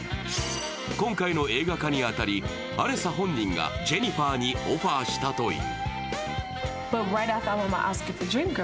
今回の映画化に当たりアレサ本人がジェニファーにオファーしたという。